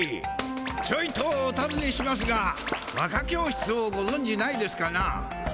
ちょいとおたずねしますが和歌教室をごぞんじないですかな？